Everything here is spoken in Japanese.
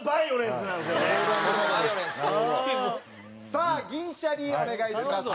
さあ銀シャリお願いします。